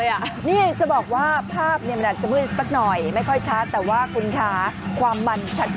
นี่เสริมเพลงมันชัดมากค่ะเจอแบบนี้นะคะพ่อนุ่มคนนี้เลยบอกว่าแบบมันโดนใจ